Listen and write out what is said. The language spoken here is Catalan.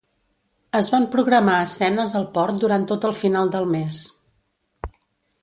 Es van programar escenes al port durant tot el final del mes.